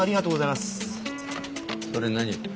それ何？